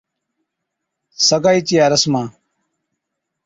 سگائي چِيا رسما